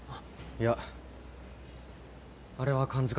いやあれは感づかれたぜ。